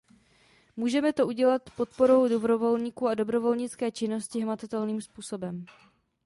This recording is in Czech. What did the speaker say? Můžeme to udělat podporou dobrovolníků a dobrovolnické činnosti hmatatelným způsobem.